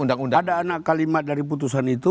ada anak kalimat dari putusan itu